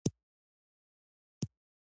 او هرې ډلې د خپل سمتي، قومي